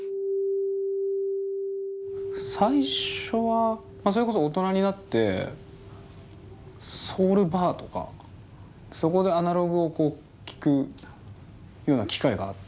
最初はそれこそ大人になってソウルバーとかそこでアナログを聴くような機会があって。